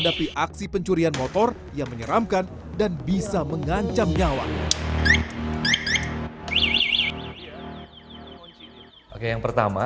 tapi sekarang curanmor juga sering disertai dengan perubahan